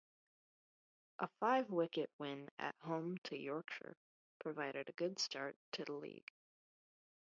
A five-wicket win at home to Yorkshire provided a good start to the league.